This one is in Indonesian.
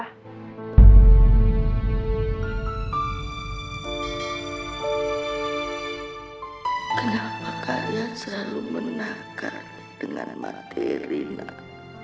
kenapa kalian selalu menangkap dengan materi nak